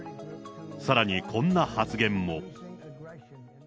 さらにこんな発言も。